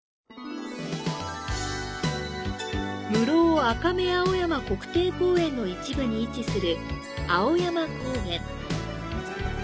室生赤目青山国定公園の一部に位置する青山高原。